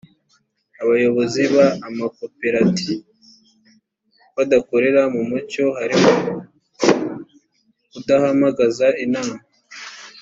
abayobozi b amakoperat badakorera mu mucyo harimo kudahamagaza inama